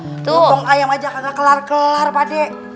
potong ayam aja kagak kelar kelar pak de